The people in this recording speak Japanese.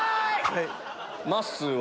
まっすーは？